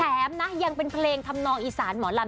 แถมนะยังเป็นเพลงทำนองอีสานหมอลำ